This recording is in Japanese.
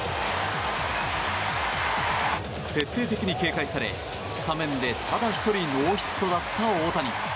徹底的に警戒されスタメンでただ１人ノーヒットだった大谷。